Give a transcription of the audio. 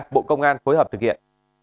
bộ công an phối hợp thực hiện